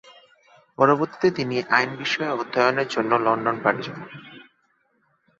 পরবর্তীতে তিনি আইন বিষয়ে অধ্যয়নের জন্য লন্ডন পাড়ি জমান।